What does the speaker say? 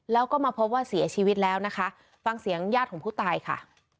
แล้วก็มาพบว่าเสียชีวิตแล้วนะคะฟังเสียงญาติของผู้ตายค่ะ